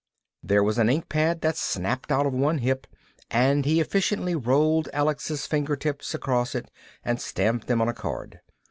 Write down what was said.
There was an ink pad that snapped out of one hip, and he efficiently rolled Alex's fingertips across it and stamped them on a card.